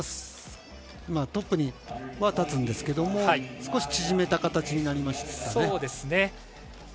トップには立つんですけども、少し縮めた形になりましたね。